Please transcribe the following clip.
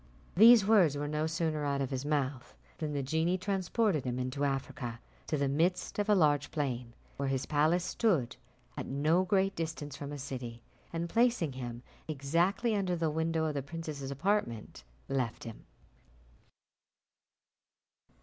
These words were no sooner out of his mouth, than the genie transported him into Africa, to the midst of a large plain, where his palace stood, at no great distance from a city, and placing him exactly under the window of the princess's apartment, left him.